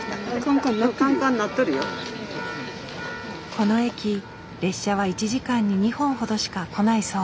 この駅列車は１時間に２本ほどしか来ないそう。